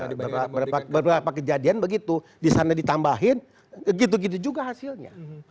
ya beberapa kejadian begitu disana ditambahin gitu gitu juga hasilnya